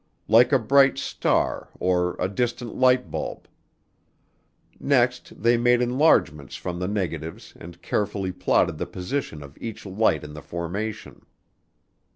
Like a bright star, or a distant light bulb. Next they made enlargements from the negatives and carefully plotted the position of each light in the formation.